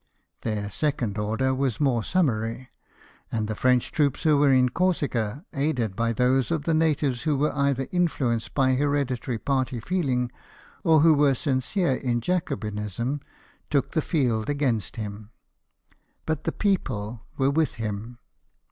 Their second order was more summary; and the French troops who were in Corsica, aided by those of the natives who were either influenced by heredi tary party feelmgs, or who were sincere in Jacobinism, took the field against him. But the people were with him.